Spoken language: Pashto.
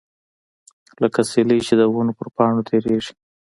لکه سیلۍ چې د ونو پر پاڼو تیریږي.